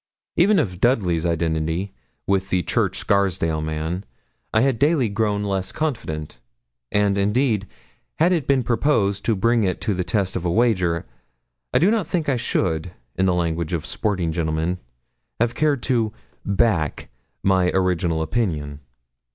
Even of Dudley's identity with the Church Scarsdale man, I had daily grown less confident; and, indeed, had it been proposed to bring it to the test of a wager, I do not think I should, in the language of sporting gentlemen, have cared to 'back' my original opinion.